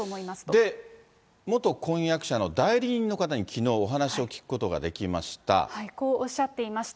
で、元婚約者の代理人の方にきのう、こうおっしゃっていました。